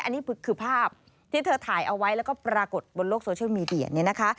อันนี้คือภาพที่เธอถ่ายเอาไว้แล้วก็ปรากฏบนโลกโซเชียลมีเดียเนี่ยนะคะ